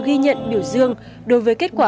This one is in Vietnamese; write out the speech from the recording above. ghi nhận biểu dương đối với kết quả